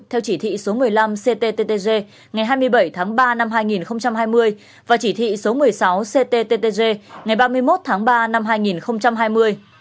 theo chỉ thị số một mươi năm cttg ngày hai mươi bảy tháng ba năm hai nghìn hai mươi và chỉ thị số một mươi sáu cttg ngày ba mươi một tháng ba năm hai nghìn hai mươi